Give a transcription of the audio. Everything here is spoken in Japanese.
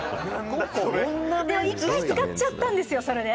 「でも、１回使っちゃったんですよ、それで」